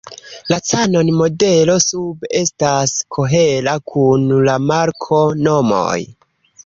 La Canon modelo sube estas kohera kun la marko-nomoj.